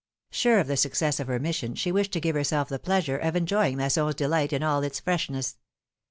Sure of the success of her mission, she wished to give herself the pleasure of enjoying Masson^s delight in all its freshness.